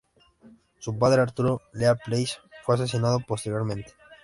Su padre Arturo Lea Place fue asesinado posteriormente.